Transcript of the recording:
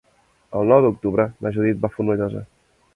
El nou d'octubre na Judit va a Fonollosa.